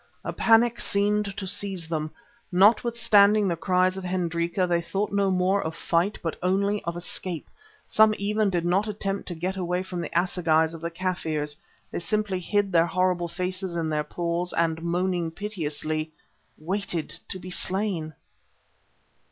A panic seemed to seize them. Notwithstanding the cries of Hendrika they thought no more of fight, but only of escape; some even did not attempt to get away from the assegais of the Kaffirs, they simply hid their horrible faces in their paws, and, moaning piteously, waited to be slain.